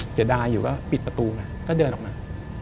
เสียดายอยู่ก็ปิดประตูไงก็เดินออกมา